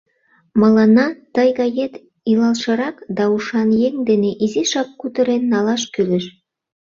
— Мыланна тый гает илалшырак да ушан еҥ дене изишак кутырен налаш кӱлеш.